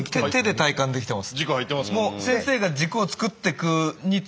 軸入ってますか？